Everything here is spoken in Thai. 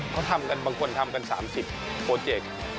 เขาทำกันบางคนทำกัน๓๐โปรเจกต์